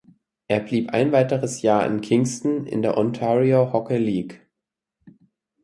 Er blieb ein weiteres Jahr in Kingston in der Ontario Hockey League.